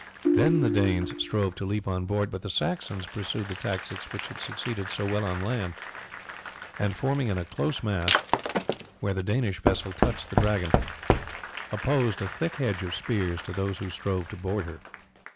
Then the Danes strove to leap on board, but the Saxons pursued the tactics which had succeeded so well on land, and forming in a close mass where the Danish vessel touched the Dragon, opposed a thick hedge of spears to those who strove to board her.